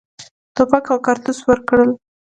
توپک او کارتوس ورکړل.